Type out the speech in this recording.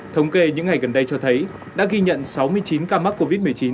thống kê những ngày gần đây cho thấy đã ghi nhận sáu mươi chín ca mắc covid một mươi chín